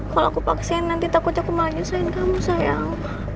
kalau aku paksain nanti takut aku malah nyeselin kamu sayang